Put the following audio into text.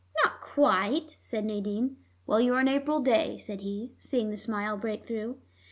"Not quite," said Nadine. "Well, you're an April day," said he, seeing the smile break through.